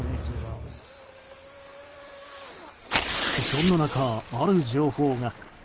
そんな中、ある情報が。